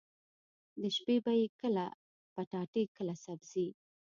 د شپې به يې کله پټاټې کله سبزي.